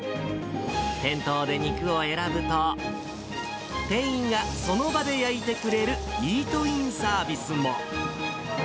店頭で肉を選ぶと、店員がその場で焼いてくれるイートインサービスも。